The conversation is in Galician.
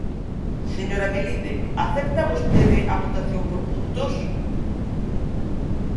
Señora Melide, ¿acepta vostede a votación por puntos?